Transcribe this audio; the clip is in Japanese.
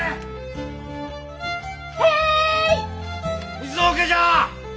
水桶じゃ！